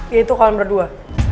yaitu kalian berdua